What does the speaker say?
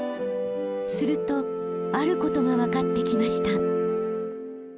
するとあることがわかってきました。